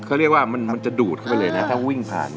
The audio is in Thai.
เขาเรียกว่ามันจะดูดเข้าไปเลยนะถ้าวิ่งผ่าน